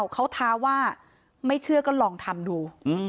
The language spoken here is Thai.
เขาท้าว่าไม่เชื่อก็ลองทำดู